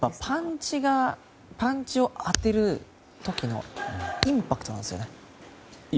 パンチを当てる時のインパクトなんですね。